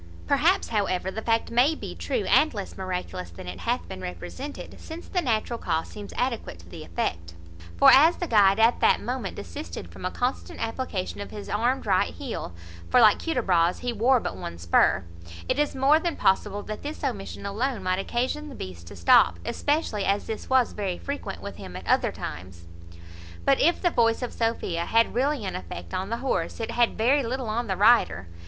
Perhaps, however, the fact may be true, and less miraculous than it hath been represented; since the natural cause seems adequate to the effect: for, as the guide at that moment desisted from a constant application of his armed right heel (for, like Hudibras, he wore but one spur), it is more than possible that this omission alone might occasion the beast to stop, especially as this was very frequent with him at other times. But if the voice of Sophia had really an effect on the horse, it had very little on the rider.